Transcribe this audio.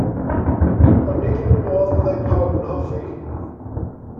Ond nid yn y modd fyddai pawb yn hoffi.